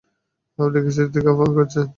আপনি কিসের দিকে আহবান করছেন।